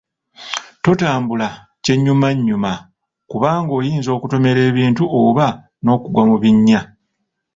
Totambula kyennyumannyuma kuba oyinza okutomera ebintu oba n'okugwa mu binnya.